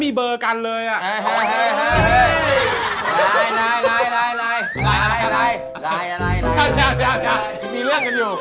มีเรื่องข้างอยู่